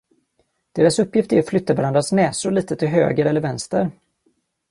Deras uppgift är att flytta varandras näsor litet till höger eller vänster.